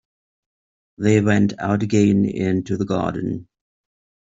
They went out again into the garden.